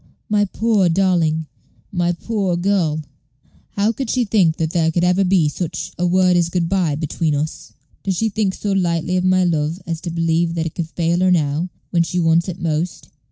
"My poor darling! my poor girl! How Page 146 could she think that there could ever be such a word as good by between us! Does she think so lightly of my love as to believe that it could fail her now, when she wants it most?